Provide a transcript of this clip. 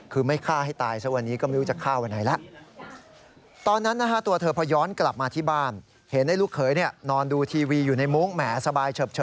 คือไม่ฆ่าให้ตายซะวันนี้ก็ไม่รู้จะฆ่าวันไหนแล้ว